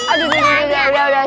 aduh udah udah udah